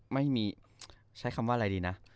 ไม่มีใช้คำว่าอะไรดีนะ